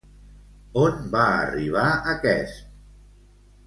On va arribar aquest?